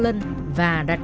và đặt tên là cơ quan sân minh